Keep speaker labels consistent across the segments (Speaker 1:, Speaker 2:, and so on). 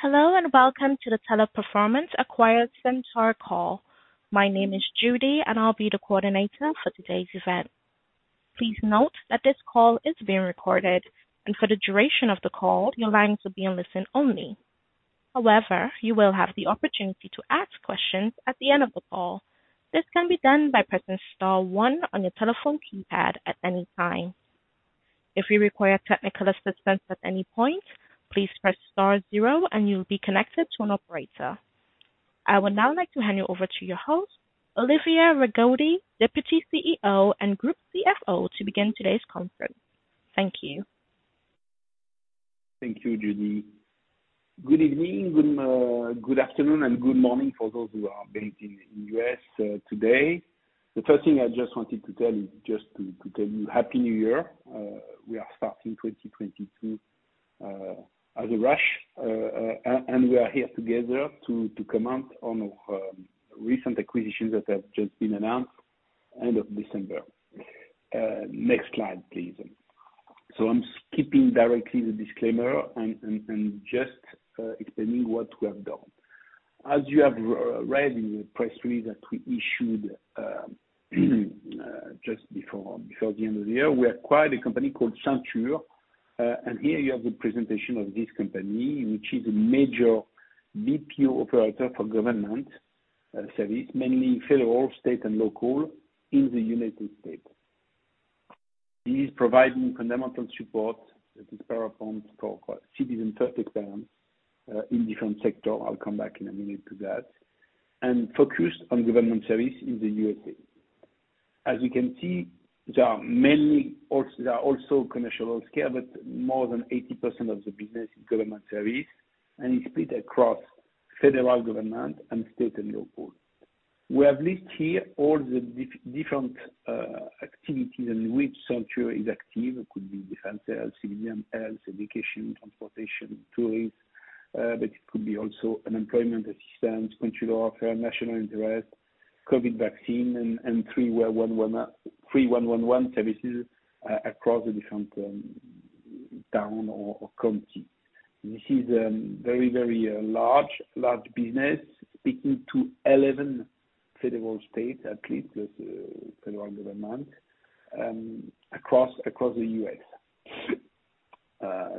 Speaker 1: Hello, and welcome to the Teleperformance acquired Senture call. My name is Judy, and I'll be the coordinator for today's event. Please note that this call is being recorded. For the duration of the call, your lines will be on listen only. However, you will have the opportunity to ask questions at the end of the call. This can be done by pressing star one on your telephone keypad at any time. If you require technical assistance at any point, please press star zero and you'll be connected to an operator. I would now like to hand you over to your host, Olivier Rigaudy, Deputy CEO and Group CFO, to begin today's conference. Thank you.
Speaker 2: Thank you, Judy. Good evening, good afternoon, and good morning for those who are based in U.S. today. The first thing I just wanted to tell you Happy New Year. We are starting 2022 as a rush. We are here together to comment on recent acquisitions that have just been announced end of December. Next slide, please. I'm skipping directly the disclaimer and just explaining what we have done. As you have read in the press release that we issued just before the end of the year, we acquired a company called Senture. Here you have the presentation of this company, which is a major BPO operator for government service, mainly federal, state, and local in the United States. It is providing fundamental support at this power point for citizen-first experience in different sector. I'll come back in a minute to that. Focused on government service in the U.S. As you can see, there are also commercial sales, but more than 80% of the business is government service. It's split across federal government and state and local. We have listed here all the different activities in which Senture is active. It could be defense, civilian health, education, transportation, tourism. But it could also be unemployment assistance, call center, national interest, COVID vaccine, and three one one services across the different town or county. This is very large business speaking to 11 federal states, at least with federal government across the U.S.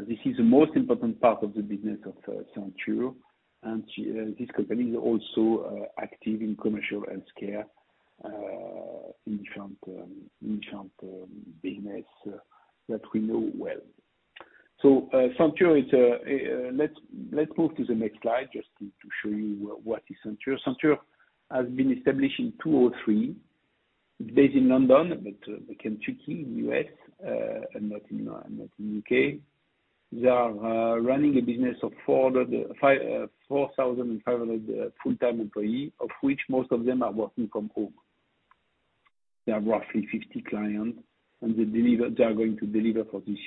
Speaker 2: This is the most important part of the business of Senture. This company is also active in commercial health care in different business that we know well. Senture is. Let's move to the next slide just to show you what is Senture. Senture has been established in 2003. It's based in London, but their clients in the U.S. and not in the U.K. They are running a business of 4,500 full-time employees, of which most of them are working from home. They have roughly 50 clients, and they will deliver for this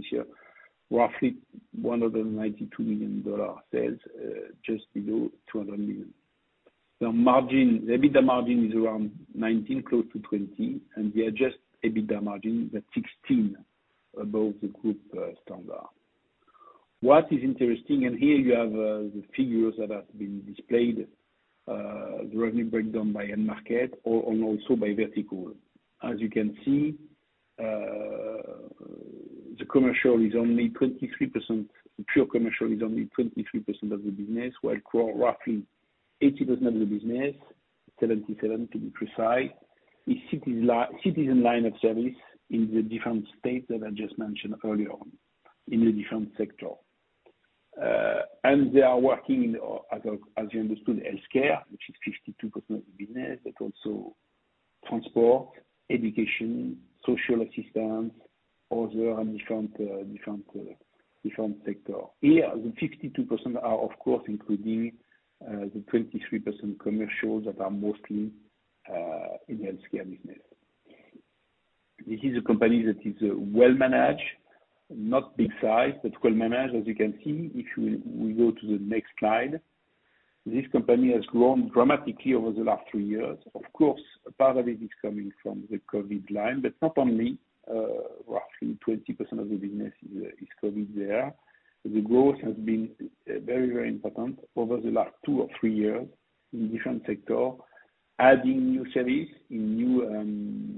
Speaker 2: year roughly $192 million sales, just below $200 million. The margin, the EBITDA margin is around 19%, close to 20%. The adjusted EBITDA margin is at 16%, above the group standard. What is interesting, here you have the figures that have been displayed, the revenue breakdown by end market and also by vertical. As you can see, the commercial is only 23%. The pure commercial is only 23% of the business, while government roughly 80% of the business, 77% to be precise, is citizen line of service in the different states that I just mentioned earlier on, in the different sector. They are working in, as you understood, healthcare, which is 52% of the business, but also transport, education, social assistance, other and different sector. Here, the 52% are, of course, including the 23% commercial that are mostly in healthcare business. This is a company that is well managed, not big size, but well managed. As you can see, if we go to the next slide, this company has grown dramatically over the last three years. Of course, a part of it is coming from the COVID line, but not only, roughly 20% of the business is COVID there. The growth has been very, very important over the last two or three years in different sector, adding new service in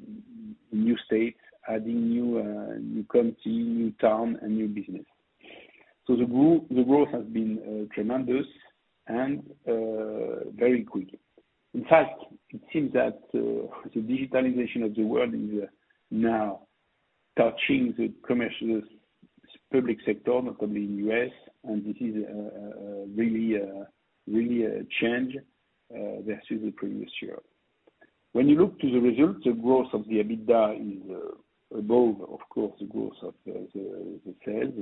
Speaker 2: new states, adding new county, new town, and new business. The growth has been tremendous and very quick. In fact, it seems that the digitalization of the world is now touching the public sector, not only in the U.S., and this is really a change versus the previous year. When you look to the results, the growth of the EBITDA is above, of course, the growth of the sales.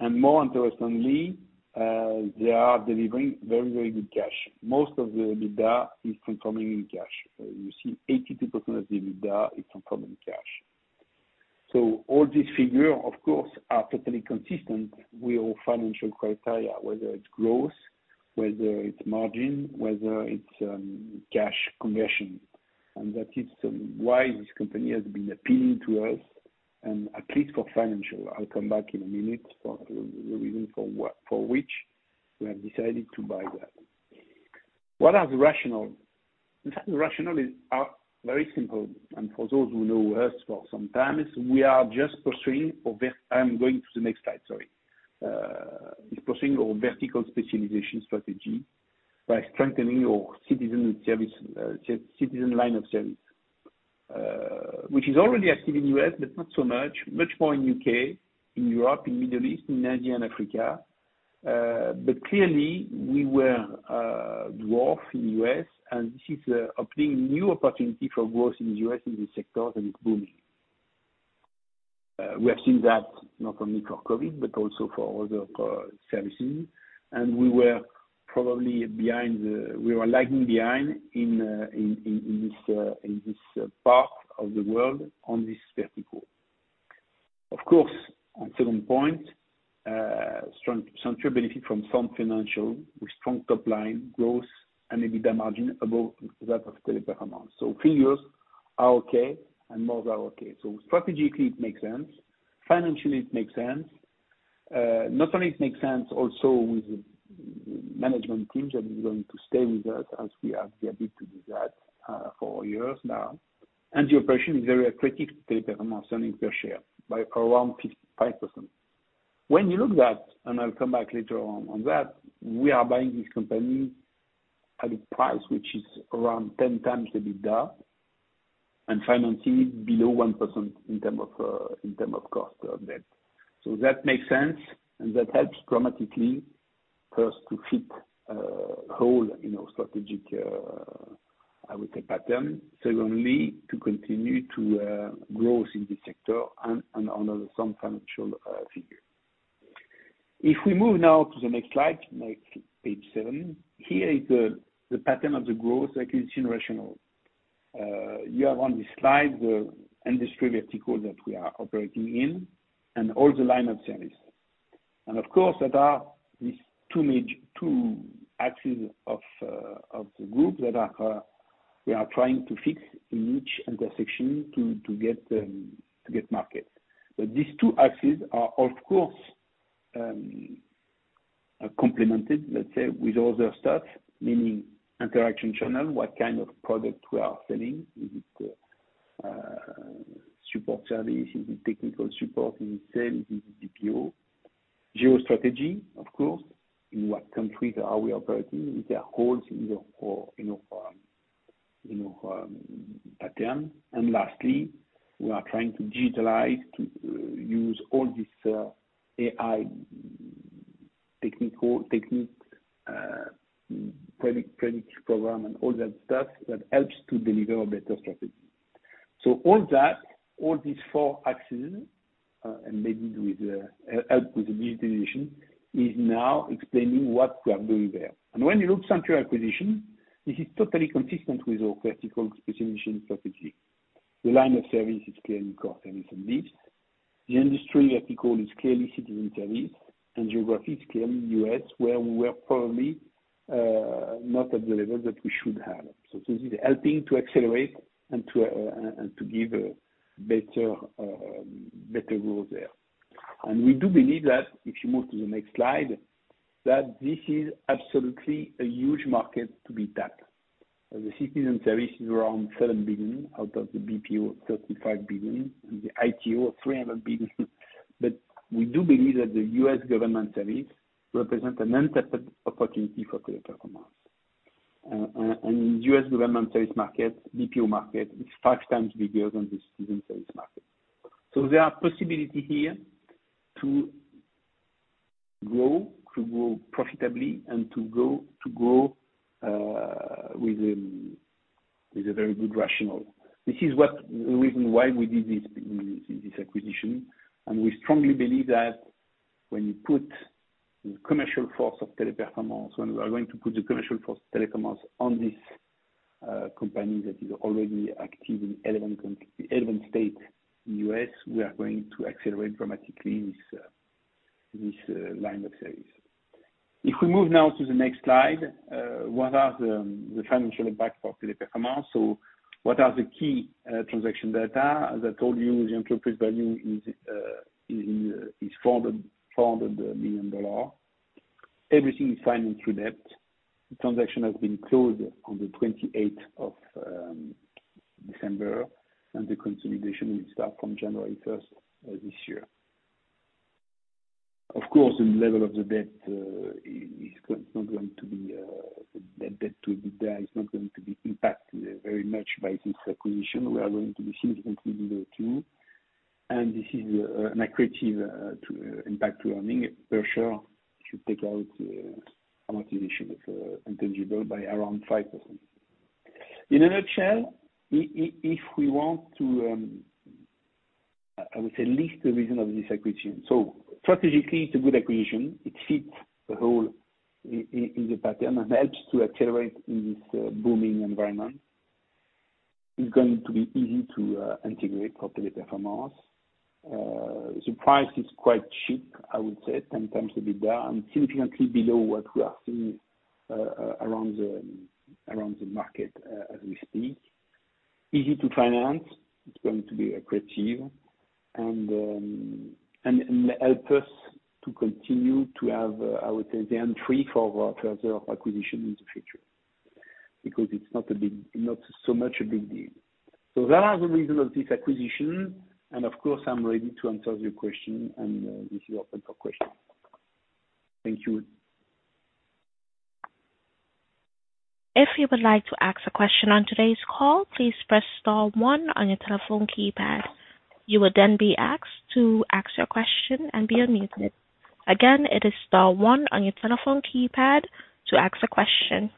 Speaker 2: More interestingly, they are delivering very good cash. Most of the EBITDA is confirming in cash. You see 82% of the EBITDA is confirming cash. All these figures, of course, are totally consistent with our financial criteria, whether it's growth, whether it's margin, whether it's cash conversion. That is why this company has been appealing to us and at least for financial, I'll come back in a minute for the reason for which we have decided to buy that. What are the rationale? In fact, the rationale is very simple. For those who know us for some time, we are just pursuing. I'm going to the next slide, sorry. It is pursuing our vertical specialization strategy by strengthening our citizen service, citizen line of service, which is already active in U.S., but not so much, much more in U.K., in Europe, in Middle East, in Asia, and Africa. Clearly we were dwarf in U.S., and this is opening new opportunity for growth in the U.S. in this sector, and it's booming. We have seen that not only for COVID, but also for other services. We were lagging behind in this part of the world on this vertical. Of course, on second point, strong. Senture benefits from some financials with strong top line growth and maybe the margin above that of Teleperformance. Figures are okay and more than okay. Strategically it makes sense, financially it makes sense. Not only it makes sense also with management teams that are going to stay with us as we have the ability to do that for years now. The operation is very accretive to Teleperformance earnings per share by around 55%. When you look at that, and I'll come back later on that, we are buying this company at a price which is around 10x the EBITDA, and financing below 1% in terms of cost of debt. That makes sense, and that helps dramatically first to fit our whole, you know, strategic, I would say, pattern. Secondly, to continue to growth in this sector and honor some financial figure. If we move now to the next slide, page seven. Here is the pattern of the growth, like it's generational. You have on this slide the industry vertical that we are operating in and all the line of service. Of course, there are these two major axes of the group that we are trying to fix in each intersection to get market. These two axes are of course complemented, let's say, with all the other stuff, meaning interaction channel, what kind of product we are selling, is it support service, is it technical support, is it sales, is it BPO? Geo strategy, of course, in what country are we operating? Is there holes in your pattern? Lastly, we are trying to digitalize to use all this AI technical techniques, predict program and all that stuff that helps to deliver a better strategy. All that, all these four axes, and maybe with the help with the digitalization, is now explaining what we are doing there. When you look Senture acquisition, this is totally consistent with our vertical specialization strategy. The line of service is clearly core services. The industry vertical is clearly citizen service, and geography is clearly U.S., where we were probably not at the level that we should have. This is helping to accelerate and to give a better role there. We do believe that, if you move to the next slide, that this is absolutely a huge market to be tapped. The citizen service is around $7 billion out of the BPO of $35 billion and the ITO of $300 billion. We do believe that the U.S. government service represent an untapped opportunity for Teleperformance. U.S. government service market, BPO market, is five times bigger than the citizen service market. There are possibilities here to grow profitably and to grow with a very good rationale. This is the reason why we did this acquisition. We strongly believe that when we put the commercial force of Teleperformance on this company that is already active in 11 states in the U.S., we are going to accelerate dramatically this line of service. If we move now to the next slide, what are the financial impact for Teleperformance? What are the key transaction data? As I told you, the enterprise value is $400 million. Everything is financed through debt. The transaction has been closed on the 28th of December, and the consolidation will start from January 1 of this year. Of course, the debt to EBITDA is not going to be impacted very much by this acquisition. We are going to be significantly below two, and this is an accretive impact to earnings per share should take out amortization of intangible by around 5%. In a nutshell, if we want to, I would say list the reason of this acquisition. Strategically, it's a good acquisition. It fits wholly in the footprint and helps to accelerate in this booming environment. It's going to be easy to integrate for Teleperformance. The price is quite cheap, I would say, 10 times the EBITDA, and significantly below what we are seeing around the market as we speak. Easy to finance. It's going to be accretive and help us to continue to have, I would say, the entry for our further acquisition in the future, because it's not so much a big deal. That is the reason of this acquisition, and of course, I'm ready to answer your question, and if you have further question. Thank you.
Speaker 1: If you would like to ask a question on today's call, please press star one on your telephone keypad. You will then be asked to ask your question and be unmuted. Again, it is star one on your telephone keypad to ask a question.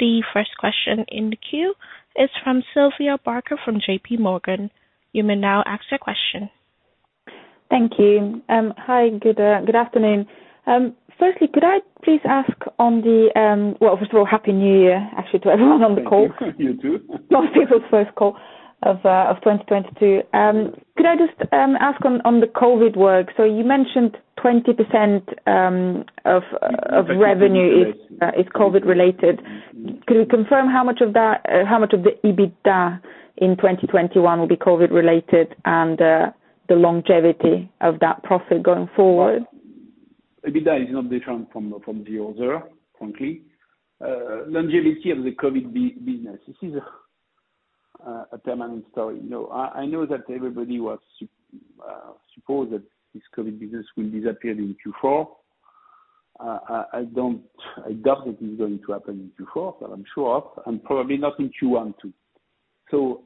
Speaker 1: The first question in the queue is from Sylvia Barker from JPMorgan. You may now ask your question.
Speaker 3: Thank you. Hi, good afternoon. Firstly, could I please ask on the. Well, first of all, Happy New Year, actually, to everyone on the call.
Speaker 2: Thank you. You too.
Speaker 3: Most people's first call of 2022. Could I just ask on the COVID work? You mentioned 20% of revenue-
Speaker 2: COVID related.
Speaker 3: This is COVID related. Could you confirm how much of that, how much of the EBITDA in 2021 will be COVID related and the longevity of that profit going forward?
Speaker 2: EBITDA is not different from the other, frankly. Longevity of the COVID business. This is a permanent story. No, I know that everybody was supposed that this COVID business will disappear in Q4. I don't. I doubt that is going to happen in Q4, but I'm sure, and probably not in Q1, too.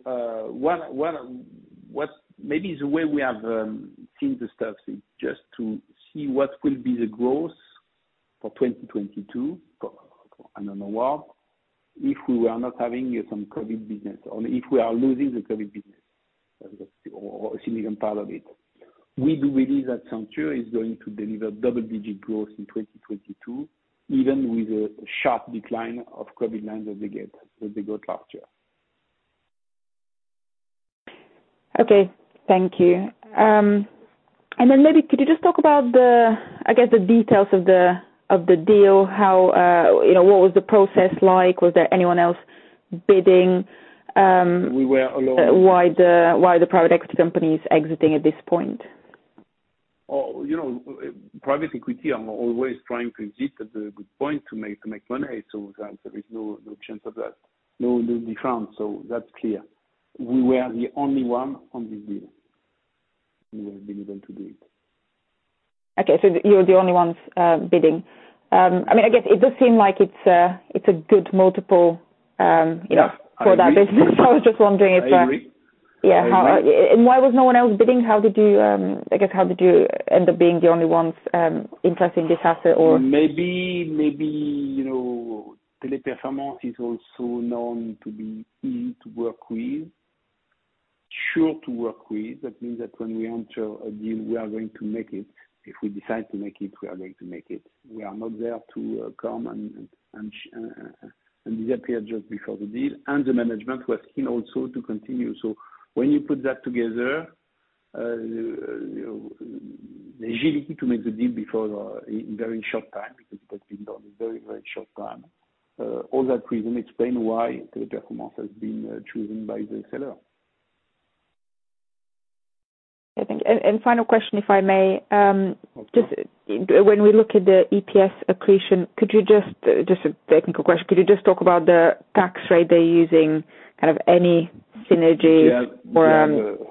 Speaker 2: What maybe is the way we have seen the stuff is just to see what will be the growth for 2022 for I don't know what, if we were not having some COVID business or if we are losing the COVID business or a significant part of it. We do believe that Senture is going to deliver double-digit growth in 2022, even with a sharp decline of COVID lines that they got last year.
Speaker 3: Okay. Thank you. Maybe could you just talk about the, I guess, the details of the deal? How, you know, what was the process like? Was there anyone else bidding?
Speaker 2: We were alone.
Speaker 3: Why the private equity company is exiting at this point?
Speaker 2: Oh, you know, private equity are always trying to exit at a good point to make money. That there is no chance of that. No different. That's clear. We were the only one on this deal. We were the only one to bid.
Speaker 3: Okay. You were the only ones bidding. I mean, I guess it does seem like it's a good multiple.
Speaker 2: Yeah. I agree.
Speaker 3: You know, for that business. I was just wondering if
Speaker 2: I agree.
Speaker 3: Yeah.
Speaker 2: I agree.
Speaker 3: Why was no one else bidding? I guess, how did you end up being the only ones interested in this asset or?
Speaker 2: Maybe, you know, Teleperformance is also known to be easy to work with, sure to work with. That means that when we enter a deal, we are going to make it. If we decide to make it, we are going to make it. We are not there to come and disappear just before the deal. The management was keen also to continue. When you put that together, you know, the agility to make the deal before in very short time, because it has been done in very short time, all that reason explain why Teleperformance has been chosen by the seller.
Speaker 3: I think final question, if I may.
Speaker 2: Of course.
Speaker 3: Just a technical question, could you just talk about the tax rate they're using, kind of any synergy or.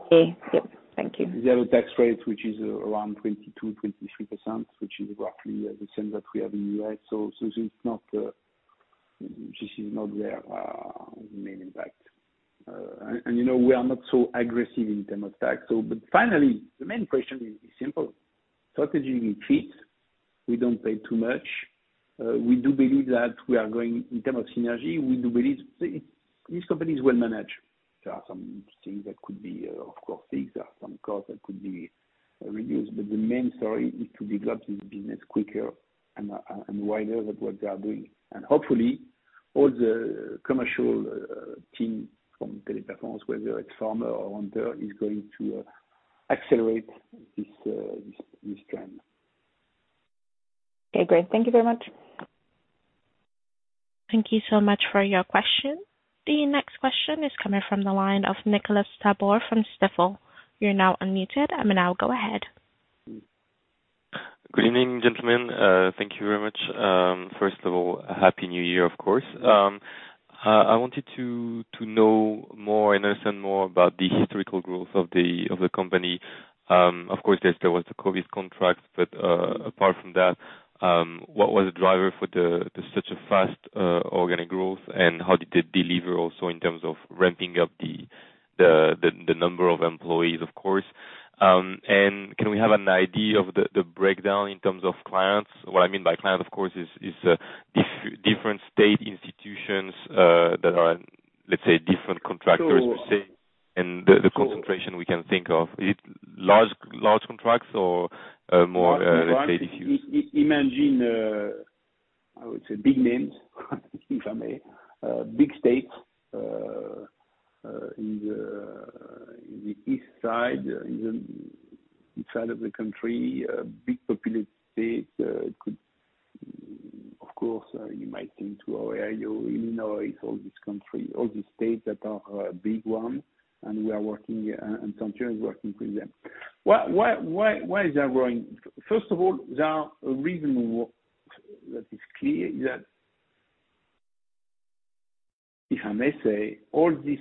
Speaker 2: They have
Speaker 3: Yep. Thank you.
Speaker 2: They have a tax rate which is around 22%-23%, which is roughly the same that we have in U.S. It's not their main impact. You know, we are not so aggressive in terms of tax. Finally, the main question is simple, strategically fit. We don't pay too much. We do believe that we are going in terms of synergy. We do believe this company is well managed. There are some things that could be fixed, of course. There are some costs that could be reduced. The main story is to develop this business quicker and wider than what they are doing. Hopefully, all the commercial team from Teleperformance, whether it's pharma or hunter, is going to accelerate this trend.
Speaker 3: Okay, great. Thank you very much.
Speaker 1: Thank you so much for your question. The next question is coming from the line of Nicolas Tabor from Stifel. You're now unmuted. Now go ahead.
Speaker 4: Good evening, gentlemen. Thank you very much. First of all, Happy New Year, of course. I wanted to know more and understand more about the historical growth of the company. Of course, yes, there was the COVID contract, but apart from that, what was the driver for such a fast organic growth, and how did it deliver also in terms of ramping up the number of employees, of course? And can we have an idea of the breakdown in terms of clients? What I mean by client, of course, is different state institutions that are, let's say, different contractors.
Speaker 2: So-
Speaker 4: Per se, the concentration we can think of. Is it large contracts or more, let's say diffuse?
Speaker 2: I would say big names, if I may. Big states in the east side of the country, big populated states. Of course, you might think to Ohio, Illinois, all these states that are big ones, and we are working, and Somfy is working with them. Why is that growing? First of all, there are a reason that is clear is that. If I may say, all this,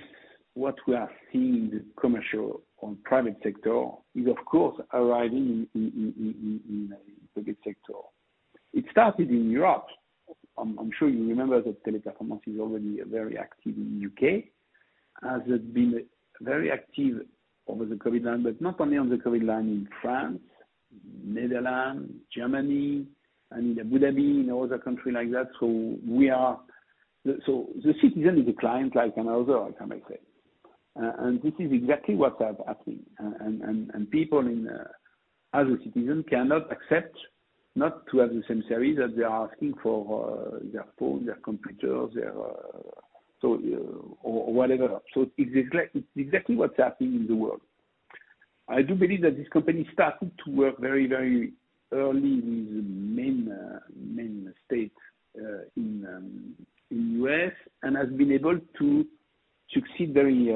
Speaker 2: what we are seeing in the commercial and private sector is of course arriving in the public sector. It started in Europe. I'm sure you remember that Teleperformance is already very active in U.K., has been very active over the COVID line, but not only on the COVID line in France, Netherlands, Germany, and Abu Dhabi and other country like that. The citizen is a client like another, I can say. This is exactly what happened. People, as a citizen cannot accept not to have the same service that they are asking for, their phone, their computer, or whatever. It's exactly what's happening in the world. I do believe that this company started to work very early with the main states in the U.S. and has been able to succeed very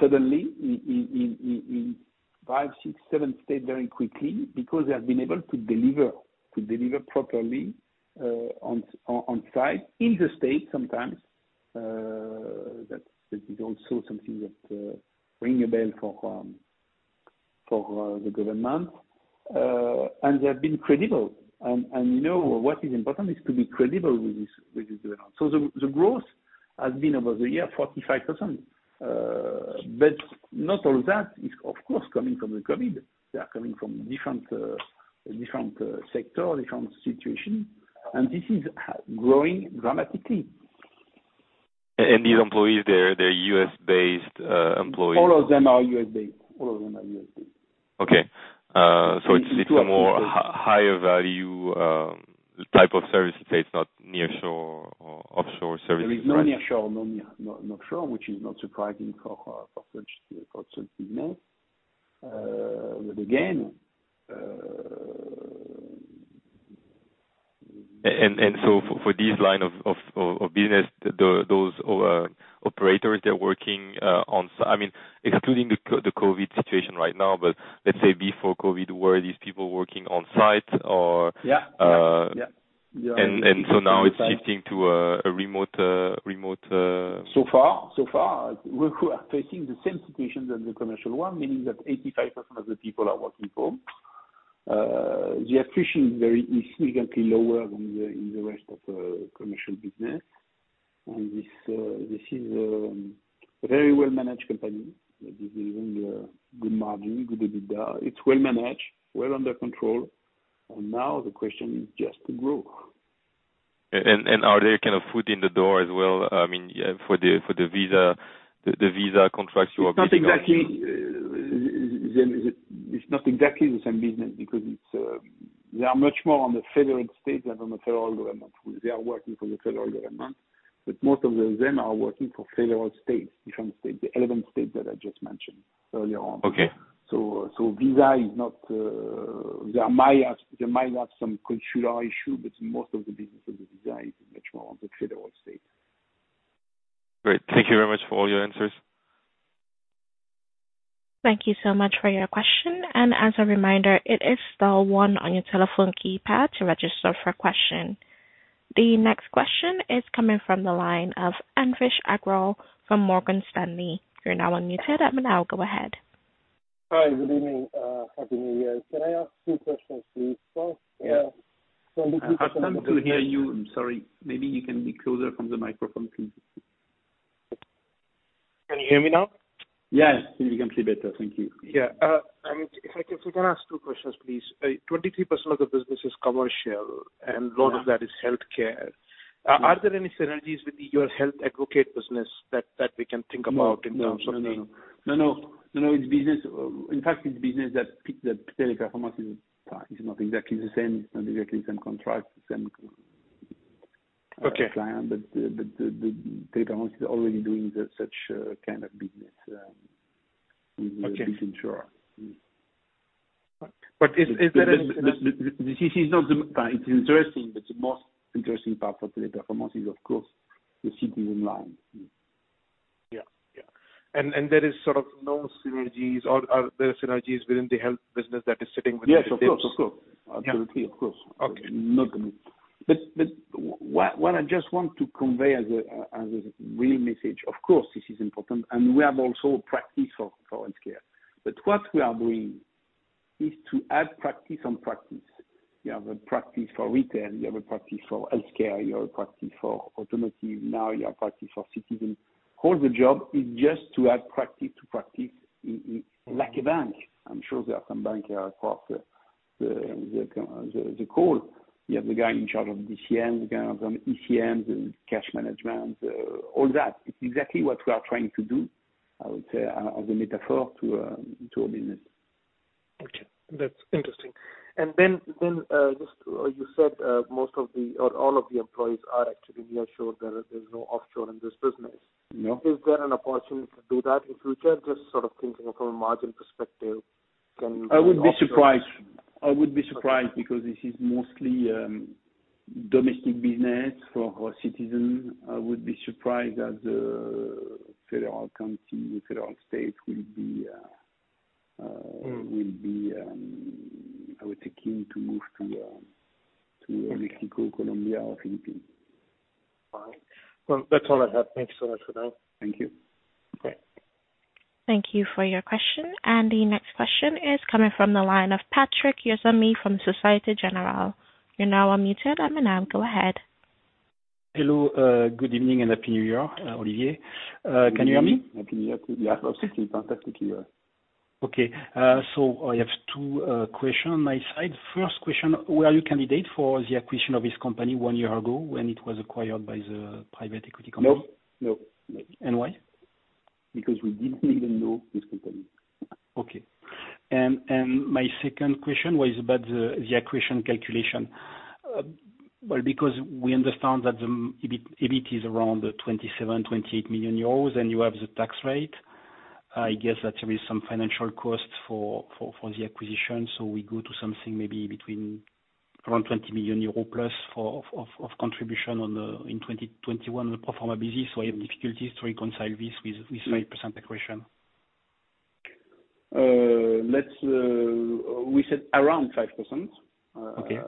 Speaker 2: suddenly in five, six, seven states very quickly because they have been able to deliver properly on site in the States sometimes. That is also something that rings a bell for the government. They have been credible. You know, what is important is to be credible with this build-out. The growth has been over the year 45%. Not all that is of course coming from the COVID. They are coming from different sector, different situation. This is growing dramatically.
Speaker 4: These employees, they're U.S.-based employees?
Speaker 2: All of them are U.S.-based.
Speaker 4: Okay.
Speaker 2: In 200 states.
Speaker 4: It's a more higher value type of service, say it's not nearshore or offshore services, right?
Speaker 2: There is no nearshore, no offshore, which is not surprising for such business. But again,
Speaker 4: For these line of business, those operators, they're working, I mean, excluding the COVID situation right now, but let's say before COVID, were these people working on site or-
Speaker 2: Yeah.
Speaker 4: now it's shifting to a remote
Speaker 2: So far, we're facing the same situation as the commercial one, meaning that 85% of the people are working from home. The attrition is significantly lower than in the rest of the commercial business. This is a very well-managed company. This is in good margin, good EBITDA. It's well managed, well under control, and now the question is just to grow.
Speaker 4: Are there a foot in the door as well? I mean, for the visa contracts you are building on-
Speaker 2: It's not exactly the same business because it's they are much more on the federal states than on the federal government. They are working for the federal government, but most of them are working for federal states, different states, the 11 states that I just mentioned earlier on.
Speaker 4: Okay.
Speaker 2: Visa is not. They might have some consular issue, but most of the business of the visa is much more on the federal state.
Speaker 4: Great. Thank you very much for all your answers.
Speaker 1: Thank you so much for your question. As a reminder, it is star one on your telephone keypad to register for a question. The next question is coming from the line of Anvesh Agrawal from Morgan Stanley. You're now unmuted. Now go ahead.
Speaker 5: Hi. Good evening. Happy New Year. Can I ask two questions, please? First,
Speaker 2: Yeah.
Speaker 5: 23% of
Speaker 2: I have trouble to hear you. I'm sorry. Maybe you can be closer from the microphone, please.
Speaker 5: Can you hear me now?
Speaker 2: Yes. Significantly better. Thank you.
Speaker 5: I mean, if I can ask two questions, please. 23% of the business is commercial, and a lot of that is healthcare. Are there any synergies with your Health Advocate business that we can think about in terms of-
Speaker 2: No. In fact, it's business that Teleperformance is not exactly the same contract, the same plan.
Speaker 5: Okay.
Speaker 2: Teleperformance is already doing such kind of business with the insurer.
Speaker 5: Okay. Is there any
Speaker 2: It's interesting, but the most interesting part for Teleperformance is of course the citizen line.
Speaker 5: Yeah. There is sort of no synergies or are there synergies within the health business that is sitting within the-
Speaker 2: Yes, of course, of course. Absolutely. Of course.
Speaker 5: Okay.
Speaker 2: What I just want to convey as a real message, of course this is important and we have also practice for healthcare. What we are doing is to add practice on practice. You have a practice for retail, you have a practice for healthcare, you have a practice for automotive, now you have practice for citizen. All the job is just to add practice to practice in like a bank. I'm sure there are some banker across the call. You have the guy in charge of DCM, the guy in charge of ECM and cash management, all that. It's exactly what we are trying to do. I would say use the metaphor to a business.
Speaker 5: Okay. That's interesting. Then, just, you said most of the or all of the employees are actually nearshore. There is no offshore in this business.
Speaker 2: No.
Speaker 5: Is there an opportunity to do that in future? Just sort of thinking from a margin perspective, can-
Speaker 2: I would be surprised because this is mostly domestic business for our citizen. I would be surprised that the federal government, federal state will be.
Speaker 5: Mm.
Speaker 2: will be, I would say, keen to move to Mexico, Colombia, or Philippines.
Speaker 5: All right. Well, that's all I have. Thanks so much for now.
Speaker 2: Thank you.
Speaker 5: Okay.
Speaker 1: Thank you for your question. The next question is coming from the line of Patrick Jousseaume from Société Générale. You're now unmuted, and now go ahead.
Speaker 6: Hello. Good evening and happy New Year, Olivier. Can you hear me?
Speaker 2: Happy New Year. Yeah. Oh, 60. Fantastic year.
Speaker 6: Okay. I have two question on my side. First question, were you a candidate for the acquisition of this company one year ago when it was acquired by the private equity company?
Speaker 2: No.
Speaker 6: Why?
Speaker 2: Because we didn't even know this company.
Speaker 6: Okay. My second question was about the acquisition calculation. Well, because we understand that the EBIT is around 27 million-28 million euros, and you have the tax rate. I guess that there is some financing costs for the acquisition. We go to something maybe between around 20 million euro plus the contribution in 2021 pro forma basis. I have difficulties to reconcile this with.
Speaker 2: Yeah.
Speaker 6: with 5% acquisition.
Speaker 2: We said around 5%.
Speaker 6: Okay.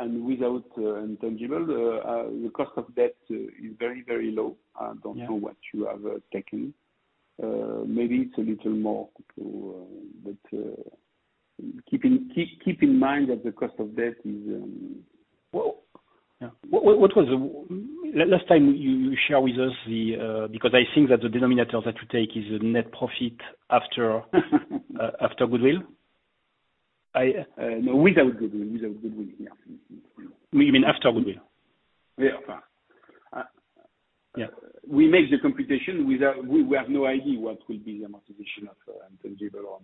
Speaker 2: Without intangible, the cost of debt is very, very low.
Speaker 6: Yeah.
Speaker 2: I don't know what you have taken. Maybe it's a little more, too, but keep in mind that the cost of debt is
Speaker 6: Well-
Speaker 2: Yeah.
Speaker 6: What was the last time you shared with us, because I think that the denominator that you take is the net profit after goodwill. I
Speaker 2: No. Without goodwill. Yeah.
Speaker 6: You mean after goodwill?
Speaker 2: Yeah.
Speaker 6: Yeah.
Speaker 2: We have no idea what will be the modification of intangible on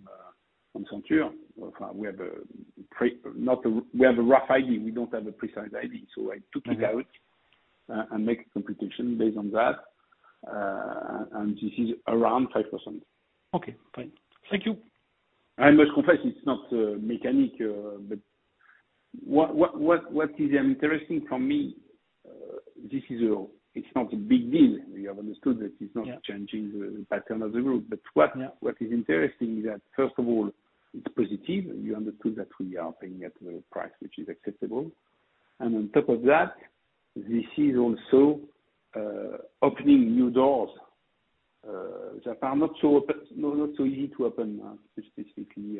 Speaker 2: Senture. We have a rough idea, we don't have a precise idea. I took it out-
Speaker 6: Mm-hmm.
Speaker 2: make a computation based on that. This is around 5%.
Speaker 6: Okay. Fine. Thank you.
Speaker 2: I must confess it's not mechanical, but what is interesting for me. It's not a big deal. We have understood that it's not
Speaker 6: Yeah.
Speaker 2: Changing the pattern of the group.
Speaker 6: Yeah.
Speaker 2: What is interesting is that, first of all, it's positive. You understood that we are paying at the price which is acceptable. On top of that, this is also opening new doors that are not so open, not so easy to open, specifically,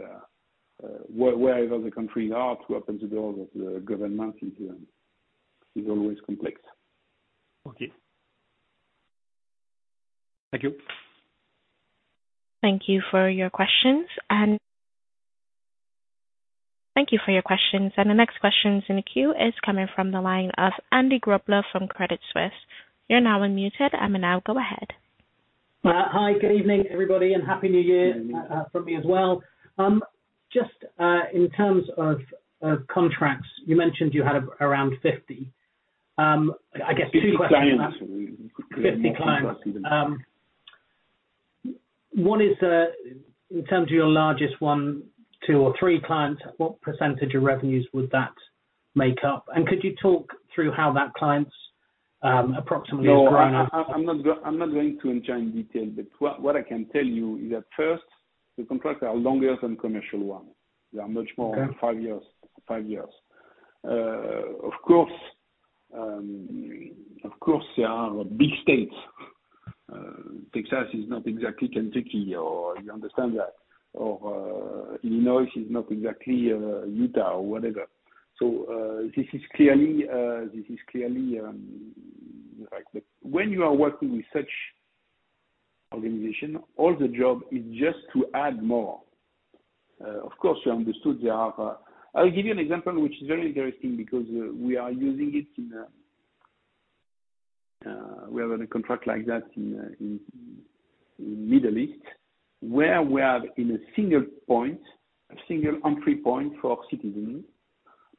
Speaker 2: wherever countries are to open the door of the government is always complex.
Speaker 6: Okay. Thank you.
Speaker 1: Thank you for your questions. The next question in the queue is coming from the line of Andy Grobler from Credit Suisse. You're now unmuted. Now go ahead.
Speaker 7: Hi, good evening, everybody, and happy new year from me as well. Just in terms of contracts, you mentioned you had around 50. I guess two questions-
Speaker 2: 50 clients.
Speaker 7: Fifty clients. One is, in terms of your largest one, two or three clients, what percentage of revenues would that make up? Could you talk through how that client's, approximately-
Speaker 2: No. I'm not going to enter in detail. What I can tell you is that, first, the contracts are longer than commercial one. They are much more.
Speaker 7: Okay.
Speaker 2: Five years. Of course, there are big states. Texas is not exactly Kentucky or you understand that. Illinois is not exactly Utah or whatever. This is clearly like the when you are working with such organization, all the job is just to add more. Of course, you understood there are. I'll give you an example which is very interesting because we have a contract like that in the Middle East, where we have in a single point, a single entry point for citizen,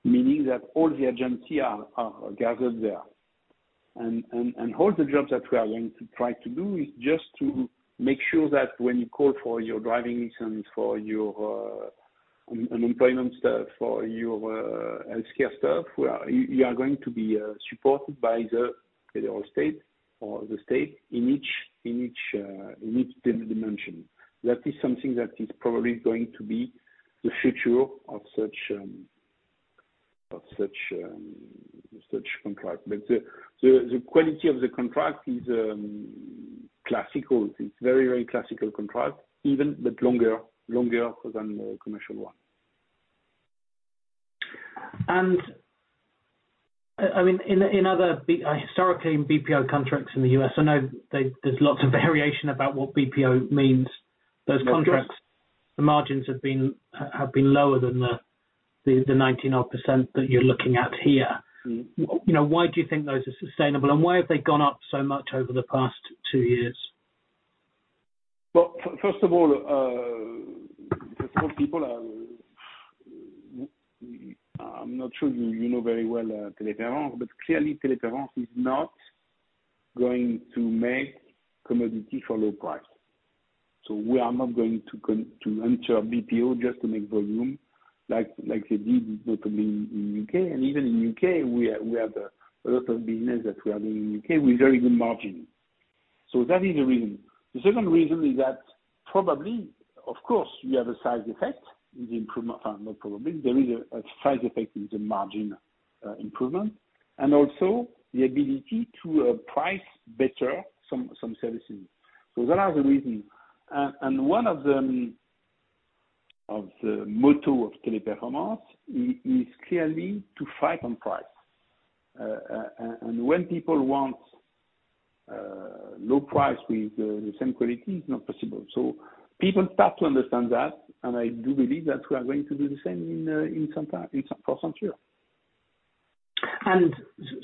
Speaker 2: meaning that all the agencies are gathered there. All the jobs that we are going to try to do is just to make sure that when you call for your driving license, for your employment stuff, for your health care stuff, you are going to be supported by the federal state or the state in each dimension. That is something that is probably going to be the future of such contract. The quality of the contract is classical. It's very classical contract even but longer than the commercial one.
Speaker 7: I mean, historically, in BPO contracts in the U.S., I know there's lots of variation about what BPO means. Those contracts-
Speaker 2: contracts.
Speaker 7: The margins have been lower than the 19-odd% that you're looking at here. You know, why do you think those are sustainable, and why have they gone up so much over the past two years?
Speaker 2: Well, first of all, I'm not sure you know very well Teleperformance, but clearly Teleperformance is not going to make commodity for low price. We are not going to enter BPO just to make volume like they did notably in U.K. Even in U.K. we have a lot of business that we are doing in U.K. with very good margin. That is the reason. The second reason is that, of course, we have a size effect with improvement. There is a size effect with the margin improvement, and also the ability to price better some services. That are the reason. One of them, the motto of Teleperformance is clearly to fight on price. when people want low price with the same quality, it's not possible. People start to understand that, and I do believe that we are going to do the same in Senture.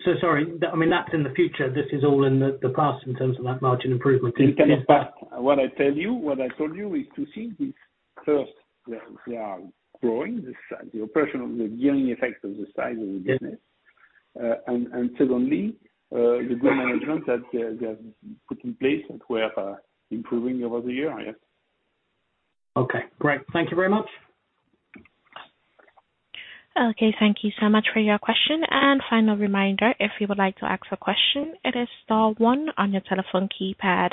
Speaker 7: So sorry. That, I mean, that's in the future. This is all in the past in terms of that margin improvement in-
Speaker 2: In Canada. What I told you is to think this first. They are growing the operational gearing effect of the size of the business.
Speaker 7: Yeah.
Speaker 2: Secondly, the good management that they have put in place that we are improving over the year. Yes.
Speaker 7: Okay, great. Thank you very much.
Speaker 1: Okay, thank you so much for your question. Final reminder, if you would like to ask a question, it is star one on your telephone keypad.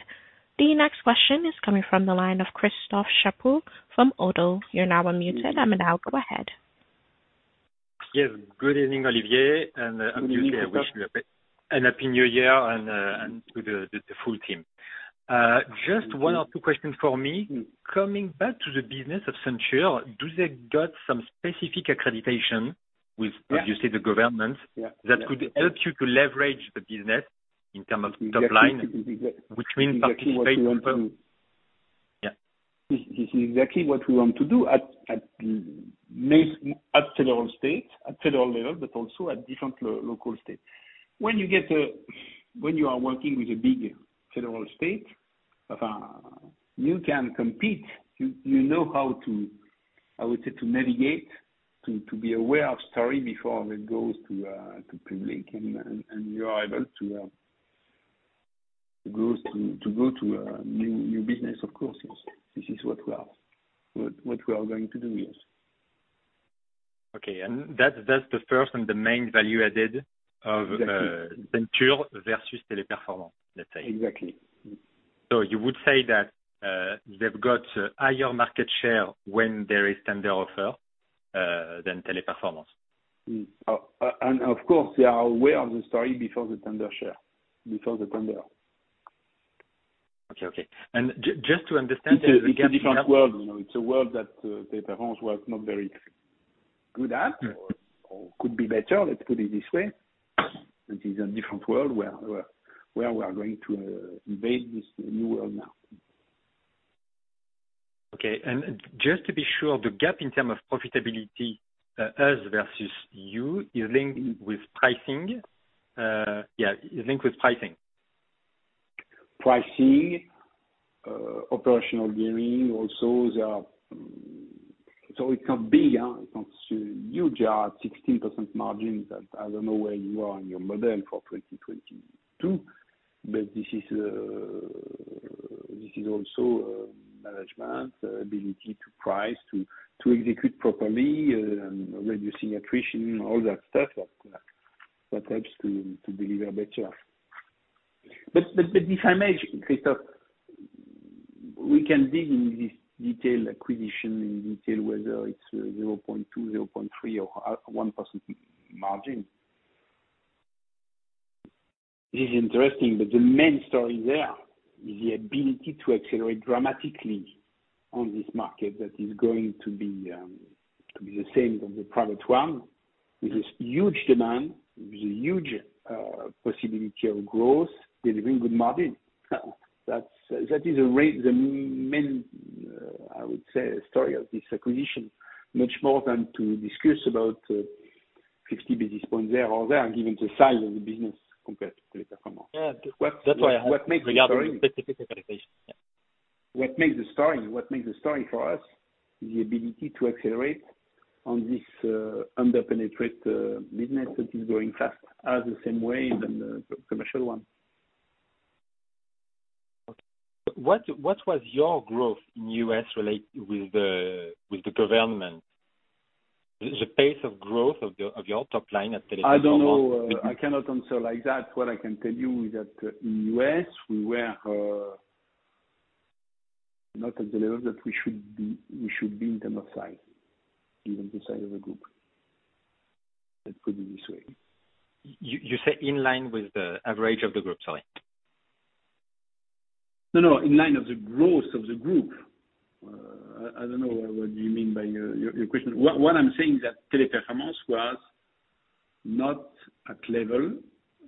Speaker 1: The next question is coming from the line of Christophe Chaput from Oddo. You're now unmuted, and now go ahead.
Speaker 8: Yes. Good evening, Olivier, and
Speaker 2: Good evening, Christophe.
Speaker 8: Obviously I wish you a happy new year and to the full team.
Speaker 2: Thank you.
Speaker 8: Just one or two questions for me.
Speaker 2: Mm-hmm.
Speaker 8: Coming back to the business of Senture, do they got some specific accr editation with?
Speaker 2: Yeah.
Speaker 8: Obviously the government.
Speaker 2: Yeah, yeah.
Speaker 8: that could help you to leverage the business in terms of top line.
Speaker 2: Exactly.
Speaker 8: which means participate in public
Speaker 2: This is exactly what we want to.
Speaker 8: Yeah.
Speaker 2: This is exactly what we want to do at federal states, at federal level, but also at different local states. When you are working with a big federal state, you can compete. You know how to, I would say, to navigate, to be aware of story before it goes to public, and you are able to go to a new business of course. This is what we are going to do, yes.
Speaker 8: Okay. That's the first and the main value added of-
Speaker 2: Exactly.
Speaker 8: Senture versus Teleperformance, let's say.
Speaker 2: Exactly. Mm-hmm.
Speaker 8: You would say that they've got higher market share when there is tender offer than Teleperformance?
Speaker 2: Of course they are aware of the story before the tender share, before the tender.
Speaker 8: Okay. Just to understand the gap you have.
Speaker 2: It's a different world, you know. It's a world that Teleperformance was not very good at-
Speaker 8: Mm-hmm.
Speaker 2: Could be better, let's put it this way. This is a different world where we are going to invade this new world now.
Speaker 8: Okay. Just to be sure, the gap in terms of profitability, us versus you is linked with pricing? Yeah, is linked with pricing.
Speaker 2: Pricing operational gearing also there are. It's not big, it's not huge. You have 16% margins that I don't know where you are on your model for 2022, but this is also management ability to price, to execute properly, reducing attrition, all that stuff that helps to deliver better. But if I may, Christophe, we can dig in this detail, acquisition in detail, whether it's 0.2, 0.3, or 0.1% margin. This is interesting, but the main story there is the ability to accelerate dramatically on this market that is going to be the same as the product one. With this huge demand, with the huge possibility of growth, delivering good margin, that is the main, I would say story of this acquisition. Much more to discuss about than 50 basis points here or there, given the size of the business compared to Teleperformance.
Speaker 8: Yeah. That's why I
Speaker 2: What makes the story?
Speaker 8: Regarding the specific accreditation. Yeah.
Speaker 2: What makes the story for us is the ability to accelerate on this under-penetrated business that is growing fast, the same way in the commercial one.
Speaker 8: Okay. What was your growth in the U.S. related to the government? The pace of growth of your top line at Teleperformance-
Speaker 2: I don't know.
Speaker 8: -with the-
Speaker 2: I cannot answer like that. What I can tell you is that in U.S. we were not at the level that we should be, we should be in terms of size, even the size of the group. Let's put it this way.
Speaker 8: You say in line with the average of the group, sorry.
Speaker 2: No, no. In line with the growth of the group. I don't know what you mean by your question. What I'm saying is that Teleperformance was not at level,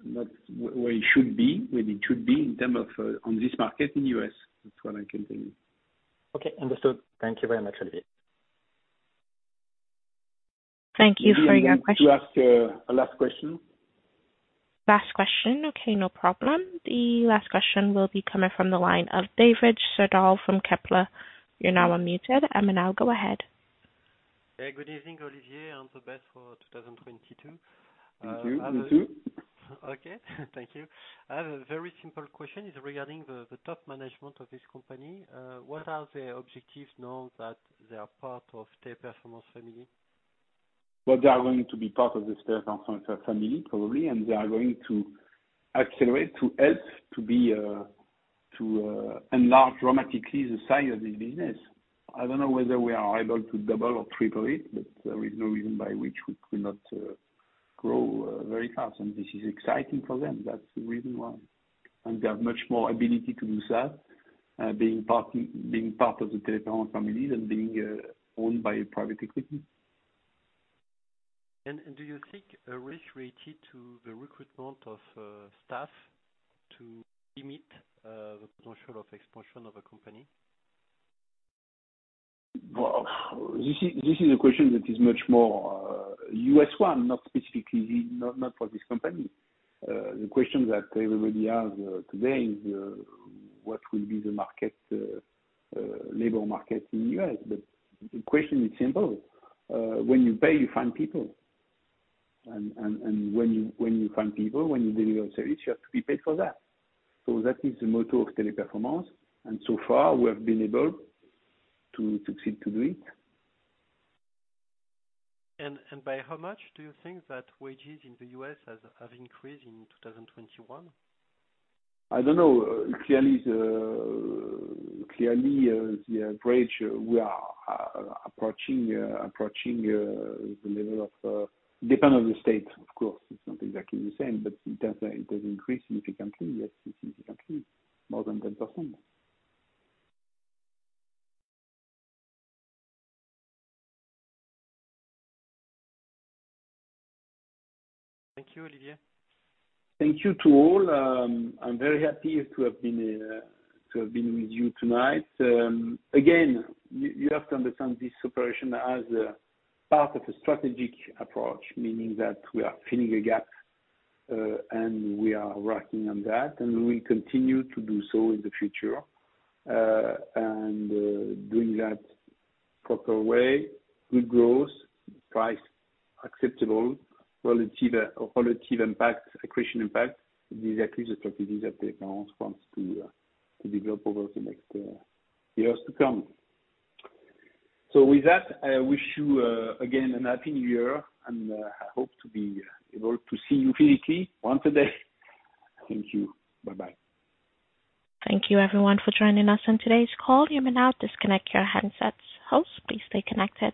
Speaker 2: not where it should be, where it should be in terms of on this market in U.S. That's what I can tell you.
Speaker 8: Okay. Understood. Thank you very much, Olivier.
Speaker 1: Thank you for your question.
Speaker 2: Do you need me to ask a last question?
Speaker 1: Last question. Okay, no problem. The last question will be coming from the line of David Cerdan from Kepler. You're now unmuted, and now go ahead.
Speaker 9: Hey, good evening, Olivier, and all the best for 2022.
Speaker 2: Thank you. You too.
Speaker 9: Okay. Thank you. I have a very simple question. It's regarding the top management of this company. What are their objectives now that they are part of Teleperformance family?
Speaker 2: Well, they are going to be part of this Teleperformance family probably, and they are going to accelerate to enlarge dramatically the size of this business. I don't know whether we are able to double or triple it, but there is no reason by which we could not grow very fast. This is exciting for them. That's the reason why. They have much more ability to do that, being part of the Teleperformance family than being owned by a private equity.
Speaker 9: Do you think a risk related to the recruitment of staff to limit the potential of expansion of a company?
Speaker 2: Well, this is a question that is much more U.S. one, not specifically for this company. The question that everybody has today is what will be the labor market in U.S. The question is simple. When you pay, you find people. When you find people, when you deliver your service, you have to be paid for that. That is the motto of Teleperformance, and so far we have been able to succeed to do it.
Speaker 9: By how much do you think that wages in the U.S. have increased in 2021?
Speaker 2: I don't know. Clearly the average, we are approaching the level of, depending on the state, of course, it's not exactly the same, but it has increased significantly. Yes, significantly, more than 10%.
Speaker 9: Thank you, Olivier.
Speaker 2: Thank you to all. I'm very happy to have been with you tonight. Again, you have to understand this operation as a part of a strategic approach, meaning that we are filling a gap, and we are working on that, and we will continue to do so in the future. Doing that proper way, good growth, price acceptable, relative impact, accretion impact. This is actually the strategies that Teleperformance wants to develop over the next years to come. With that, I wish you again a happy new year, and I hope to be able to see you physically one day. Thank you. Bye-bye.
Speaker 1: Thank you everyone for joining us on today's call. You may now disconnect your handsets. Host, please stay connected.